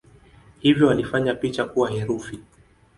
Hivyo walifanya picha kuwa herufi.